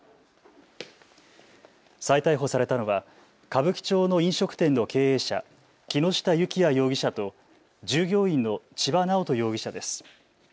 再逮捕されたのは歌舞伎町の飲食店の経営者、木下幸也容疑者と従業員の千葉南音容疑者です。